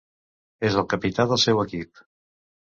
És el capità del seu equip.